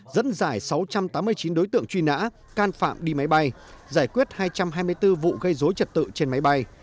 dẫn giải sáu trăm tám mươi chín đối tượng truy nã can phạm đi máy bay giải quyết hai trăm hai mươi bốn vụ gây dối trật tự trên máy bay